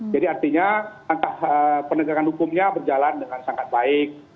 jadi artinya angka penegakan hukumnya berjalan dengan sangat baik